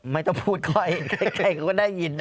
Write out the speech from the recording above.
ไม่ต้องพูดค่อยใครเขาก็ได้ยินหมด